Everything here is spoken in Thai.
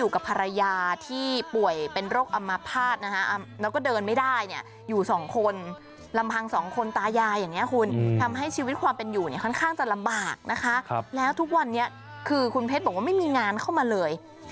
ค่อนข้างจะลำบากแล้วทุกวันนี้คือคุณเพชรบอกว่าไม่มีงานเข้ามาเลย